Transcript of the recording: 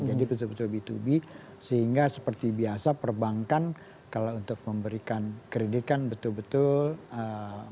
jadi betul betul b dua b sehingga seperti biasa perbankan kalau untuk memberikan kredit kan betul betul mereka harus berhati hati